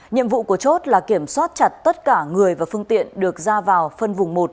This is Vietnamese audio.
nhiệm vụ của chốt là kiểm soát chặt tất cả người và phương tiện được ra vào phân vùng một